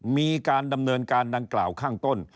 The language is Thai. มีการดำเนินการดังกล่าวข้างต้น